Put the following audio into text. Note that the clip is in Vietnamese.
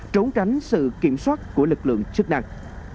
trốn tránh sự kiểm soát của lực lượng chức năng